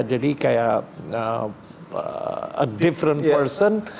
jadi kayak a different person